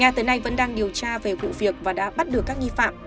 nga tới nay vẫn đang điều tra về vụ việc và đã bắt được các nghi phạm